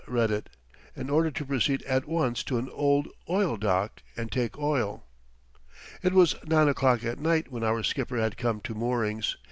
read it an order to proceed at once to an oil dock and take oil. It was nine o'clock at night when our skipper had come to moorings.